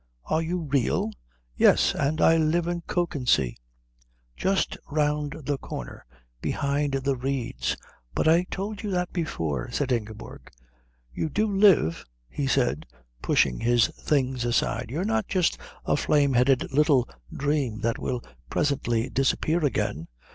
Are you real?" "Yes, and I live at Kökensee, just round the corner behind the reeds. But I told you that before," said Ingeborg. "You do live?" he said, pushing his things aside. "You're not just a flame headed little dream that will presently disappear again?"